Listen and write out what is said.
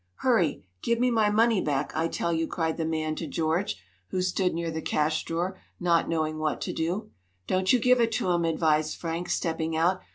"Hurry! Give me my money back, I tell you!" cried the man to George, who stood near the cash drawer, not knowing what to do. "Don't you give it to him!" advised Frank, stepping out.